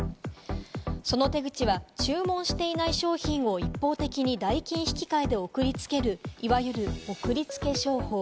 その手口は注文していない商品を一方的に代金引換で送りつける、いわゆる送りつけ商法。